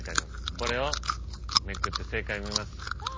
これをめくって正解を見ます。